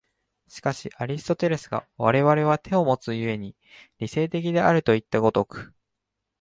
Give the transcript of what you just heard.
しかしアリストテレスが我々は手をもつ故に理性的であるといった如く